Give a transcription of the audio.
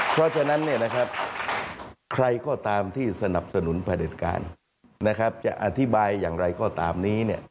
เพราะฉะนั้นใครก็ตามที่สนับสนุนผลิตการจะอธิบายอย่างไรก็ตามนี้